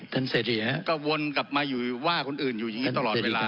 เสรีฮะก็วนกลับมาอยู่ว่าคนอื่นอยู่อย่างนี้ตลอดเวลา